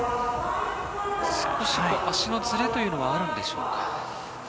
少し足のずれというのはあるんでしょうか。